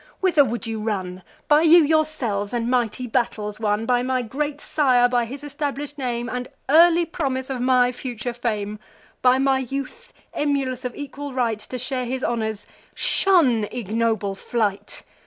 whether would you run? By you yourselves, and mighty battles won, By my great sire, by his establish'd name, And early promise of my future fame; By my youth, emulous of equal right To share his honours—shun ignoble flight!